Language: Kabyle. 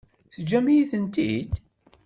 Teǧǧam-iyi-tent-id?